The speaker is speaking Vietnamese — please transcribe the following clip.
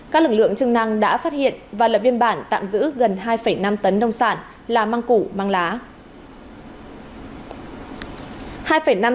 các lực lượng chức năng đã phát hiện và lập biên bản tạm giữ gần hai năm tấn nông sản là măng củ măng lá